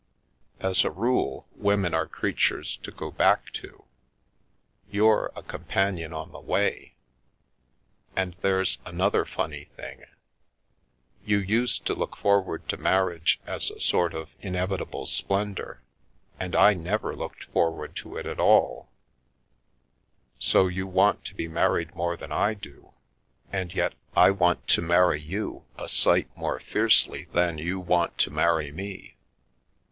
As a rule, women are creatures to go back to. You're a companion on the way. And there's another funny thing — you used to look forward to marriage as a sort of inevitable splendour, and I never looked forward to it at all, so you want to be married more than I do, and yet I want to marry you a sight more fiercely than you 309 The Milky Way want to marry me.